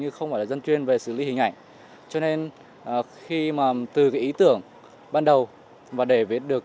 chứ không phải là dân chuyên về xử lý hình ảnh cho nên khi mà từ cái ý tưởng ban đầu và để được